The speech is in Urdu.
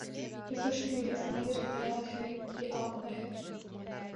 کہ سوشل میڈیا ایک سمندر کی طرح ہے یہ آپ پر ہے